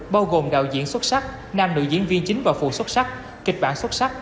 bao gồm đạo diễn xuất sắc nam nữ diễn viên chính và phụ xuất sắc kịch bản xuất sắc